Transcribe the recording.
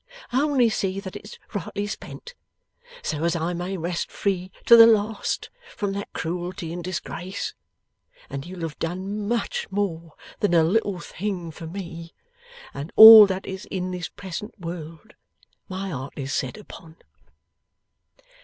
Only see that it's rightly spent, so as I may rest free to the last from that cruelty and disgrace, and you'll have done much more than a little thing for me, and all that in this present world my heart is set upon.